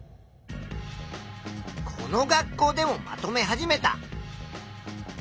この学校でもまとめ始めた。